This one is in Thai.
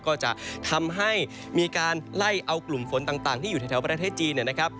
ก็จะทำให้มีการไล่เอากลุ่มฝนต่างที่อยู่แถวประเทศจีนนะครับ